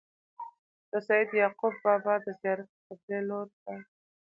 د سيد يعقوب بابا د زيارت قبلې لوري ته